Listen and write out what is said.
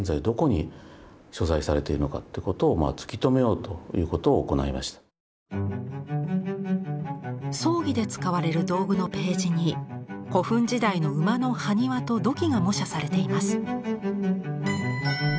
３年間共同研究を行いまして葬儀で使われる道具のページに古墳時代の馬の埴輪と土器が模写されています。